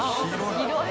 広い。